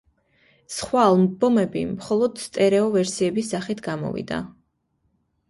სხვა ალბომები მხოლოდ სტერეო ვერსიების სახით გამოვიდა.